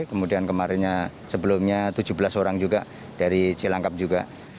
kemudian kemarinnya sebelumnya tujuh belas orang juga dari cilangkap juga